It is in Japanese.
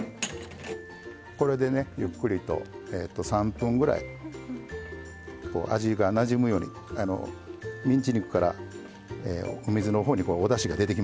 これでねゆっくりと３分ぐらい味がなじむようにミンチ肉からお水の方におだしが出てきますんでうまみがね。